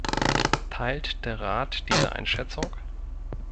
Teilt der Rat diese Einschätzung?